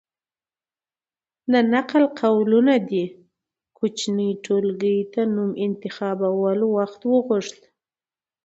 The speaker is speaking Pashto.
د نقل قولونو دې کوچنۍ ټولګې ته نوم انتخابول وخت وغوښت.